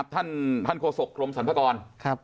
ท่านโฆษกรมสรรพากร